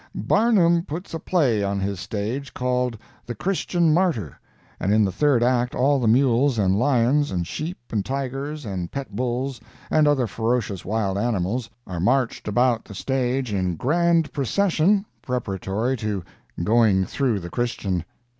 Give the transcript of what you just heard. Barnum puts a play on his stage called the "Christian Martyr," and in the third act all the mules and lions, and sheep, and tigers, and pet bulls, and other ferocious wild animals, are marched about the stage in grand procession preparatory to going through the Christian.